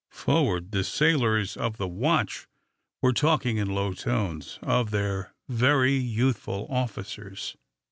Forward, the sailors of the watch were talking in low tones of their very youthful officers.